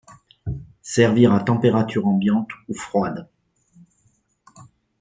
Servir à température ambiante ou froide.